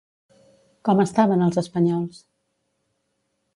Com estaven els espanyols?